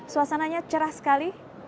suasananya cerah sekali